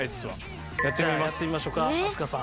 じゃあやってみましょうか飛鳥さん。